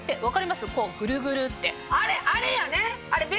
あれあれやね！